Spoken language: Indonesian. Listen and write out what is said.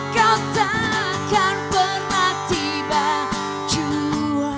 kau tak akan pernah tiba jua